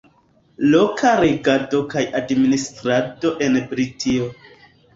Loka regado kaj administrado en Britio.